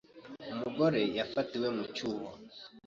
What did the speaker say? Umugore wafatiwe mu cyuho